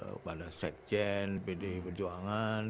kepada sekjen pdi perjuangan